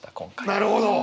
なるほど！